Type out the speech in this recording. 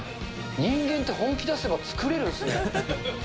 人間って本気出せば作れるんですね。